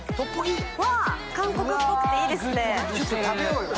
韓国っぽくていいですね。